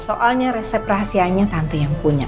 soalnya resep rahasianya tante yang punya